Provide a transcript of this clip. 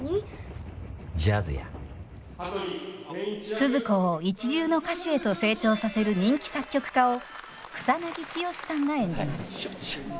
スズ子を一流の歌手へと成長させる人気作曲家を草剛さんが演じます。